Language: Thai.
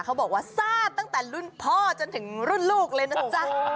เขาบอกว่าซ่าตั้งแต่รุ่นพ่อจนถึงรุ่นลูกเลยนะจ๊ะ